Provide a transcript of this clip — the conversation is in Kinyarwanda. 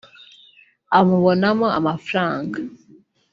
amubonamo amafaranga